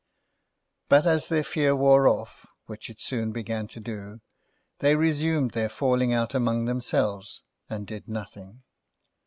But, as their fear wore off, which it soon began to do, they resumed their falling out among themselves, and did nothing.